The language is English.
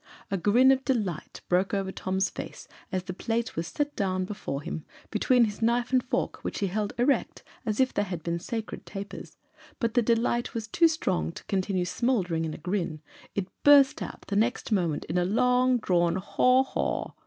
A grin of delight broke over Tom's face as the plate was set down before him, between his knife and fork, which he held erect, as if they had been sacred tapers; but the delight was too strong to continue smouldering in a grin it burst out the next moment in a long drawn "haw, haw!"